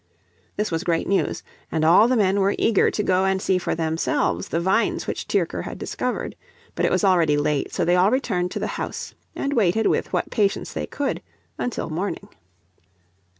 This was great news; and all the men were eager to go and see for themselves the vines which Tyrker had discovered. But it was already late, so they all returned to the house, and waited with what patience they could until morning.